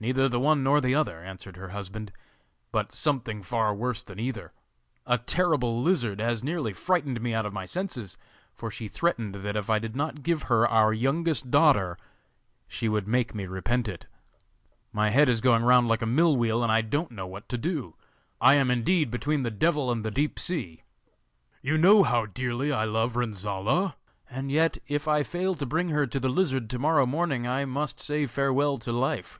'Neither the one nor the other,' answered her husband,' but something far worse than either. A terrible lizard has nearly frightened me out of my senses, for she threatened that if I did not give her our youngest daughter, she would make me repent it. My head is going round like a mill wheel, and I don't know what to do. I am indeed between the Devil and the Deep Sea. You know how dearly I love Renzolla, and yet, if I fail to bring her to the lizard to morrow morning, I must say farewell to life.